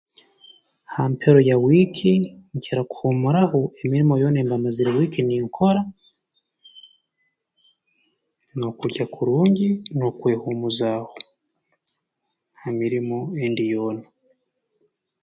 Ha mpero ya wiiki nkira kuhuumuraho emirimo yoona ei mba mazire wiiki ninkora n'okulya kurungi n'okwehuumuzaaho ha mirimo endi yoona